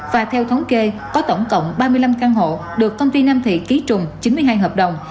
và theo thống kê có tổng cộng ba mươi năm căn hộ được công ty nam thị ký trùng chín mươi hai hợp đồng